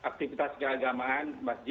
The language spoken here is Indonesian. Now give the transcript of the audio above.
beransur menuju ke keadaan seperti ini